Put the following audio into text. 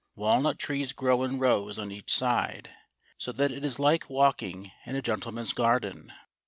Walnut trees grow in rows on each side, so that it is like walking in a gentleman's garden.